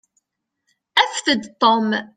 Afet-d Tom.